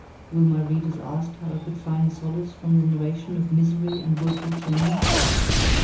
Will my readers ask how I could find solace from the narration of misery and woeful change?